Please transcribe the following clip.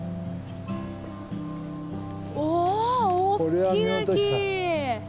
おお大きな木！